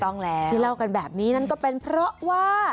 นั้นก็เป็นเพราะว่า